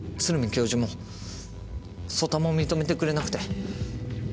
教授も曽田も認めてくれなくて。